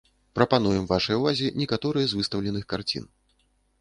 Прапануем вашай увазе некаторыя з выстаўленых карцін.